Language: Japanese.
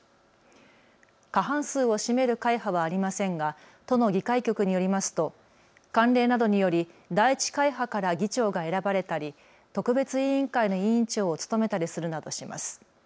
過半数を占める会派はありませんが都の議会局によりますと慣例などにより第１会派から議長が選ばれたり特別委員会の委員長を務めたりするなどします。